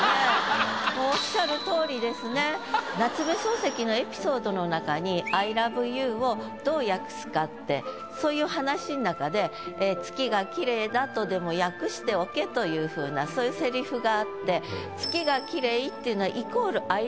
夏目漱石のエピソードの中に「Ｉｌｏｖｅｙｏｕ」をどう訳すかってそういう話の中で「『月が綺麗だ』とでも訳しておけ」というふうなそういうセリフがあって。